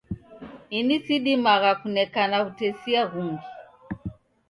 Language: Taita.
Ini sidimagha kunekana wutesia ghungi